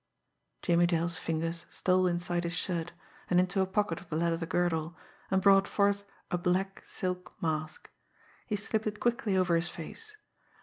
Jimmie Dale's fingers stole inside his shirt, and into a pocket of the leather girdle, and brought forth a black silk mask. He slipped it quickly over his face.